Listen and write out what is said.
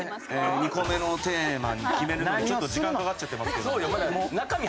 ２個目のテーマに決めるのがちょっと時間かかっちゃってますけど。